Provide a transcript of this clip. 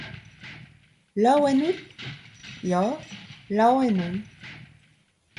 Laouen out ? Ya, laouen on.